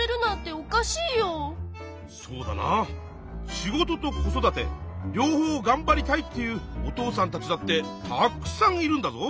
仕事と子育て両方がんばりたいっていうお父さんたちだってたくさんいるんだぞ。